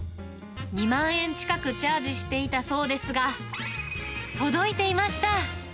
２万円近くチャージしていたそうですが、届いていました。